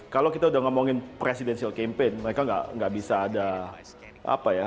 kalau kita udah ngomongin presidensial campaign mereka nggak bisa ada kesalahan